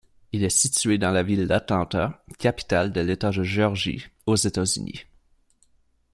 Il est situé dans la ville d'Atlanta, capitale de l'État de Géorgie, aux États-Unis.